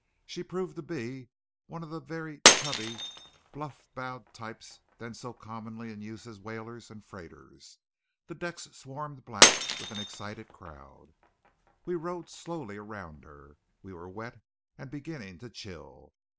She proved to be one of that very tubby, bluff bowed type then so commonly in use as whalers and freighters. The decks swarmed black with an excited crowd. We rowed slowly around her. We were wet, and beginning to chill.